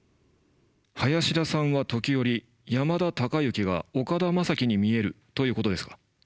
林田さんは時折山田孝之が岡田将生に見えるということですか？